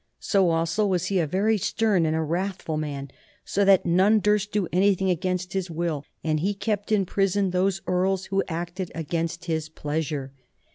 So also, was he a very stern and a wrathful man, so that none durst do anything against his will, and he kept in prison those earls who acted against his pleasure.